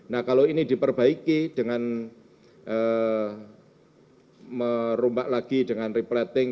nah kalau ini diperbaiki dengan merombak lagi dengan replating